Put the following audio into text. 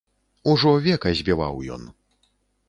Ужо века збіваў ён.